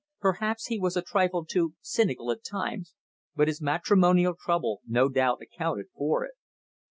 Perhaps he was a trifle too cynical at times, but his matrimonial trouble no doubt accounted for it.